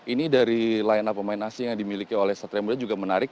ini dari layanan pemain asing yang dimiliki oleh satria muda juga menarik